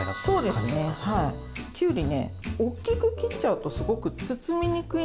おっきく切っちゃうとすごく包みにくいんですよ